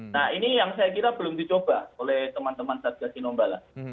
nah ini yang saya kira belum dicoba oleh teman teman satgas tinombala